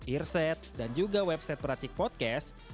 earset dan juga website peracik podcast